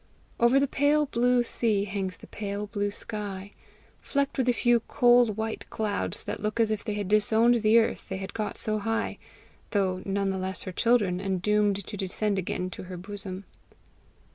Over the pale blue sea hangs the pale blue sky, flecked with a few cold white clouds that look as if they disowned the earth they had got so high though none the less her children, and doomed to descend again to her bosom.